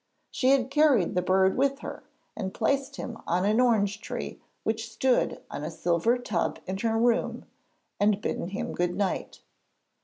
She had carried the bird with her, and placed him on an orange tree which stood on a silver tub in her room, and bidden him good night.